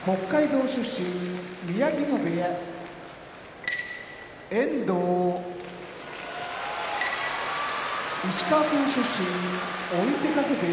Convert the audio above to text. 宮城野部屋遠藤石川県出身追手風部屋